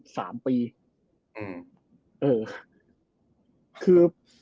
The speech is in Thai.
คือสุดที่น่าตลกคือจาก